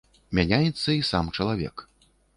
Мяняецца і сам чалавек.